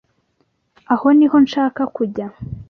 Aho niho nshaka kujya.